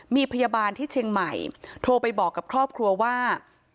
มีพยาบาลที่เชียงใหม่โทรไปบอกกับครอบครัวว่า